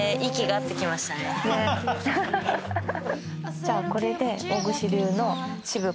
じゃあこれで。